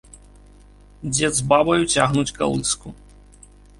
Дзед з бабаю цягнуць калыску.